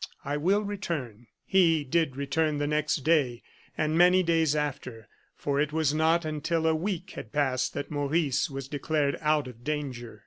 I will return." He did return the next day and many days after, for it was not until a week had passed that Maurice was declared out of danger.